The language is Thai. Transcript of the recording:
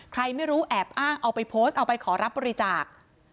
ใครไม่รู้แอบอ้างเอาไปโพสต์เอาไปขอรับบริจาค